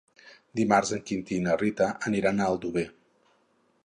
Dimarts en Quintí i na Rita aniran a Aldover.